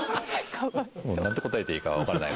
もうなんて答えていいかわからない。